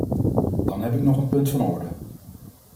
Dan heb ik nog een punt van orde.